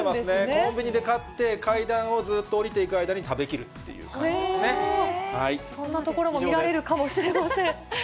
コンビニで買って階段をずーっと下りていく間に食べ切るっていうそんなところも見られるかもしれません。